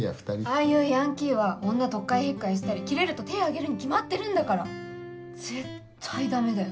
ああいうヤンキーは女取っ換え引っ換えしたりキレると手上げるに決まってるんだから絶対ダメだよ。